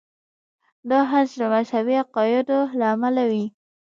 دا حذف د مذهبي عقایدو له امله وي.